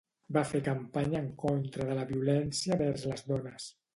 Va fer campanya en contra de la violència vers les dones.